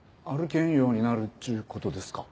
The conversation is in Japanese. けんようになるっちゅうことですか？